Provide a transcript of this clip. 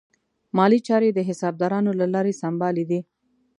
مالي چارې د حسابدارانو له لارې سمبالې دي.